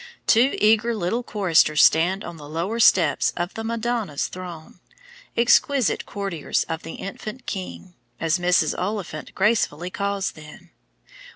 Two eager little choristers stand on the lower steps of the Madonna's throne, "exquisite courtiers of the Infant King," as Mrs. Oliphant gracefully calls them.